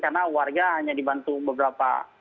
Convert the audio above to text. karena warga hanya dibantu beberapa